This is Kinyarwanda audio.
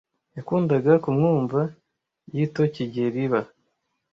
Yakundaga kumwumva yitokigeliba.